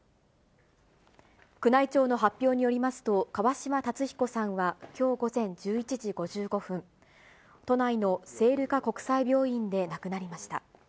宮内庁の発表によりますと、川嶋辰彦さんはきょう午前１１時５５分、都内の聖路加国際病院で亡くなりました。